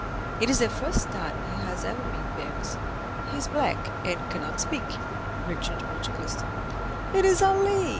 "It is the first time he has ever been in Paris. He is black, and cannot speak," returned Monte Cristo. "It is Ali!"